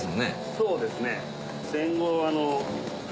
そうですね。